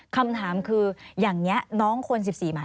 คำถามคืออย่างนี้น้องคน๑๔หมาย